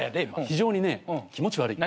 非常に気持ち悪い。